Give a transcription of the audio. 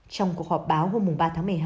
trong cuộc họp báo hôm ba tháng một mươi hai